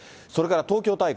それから東京大会。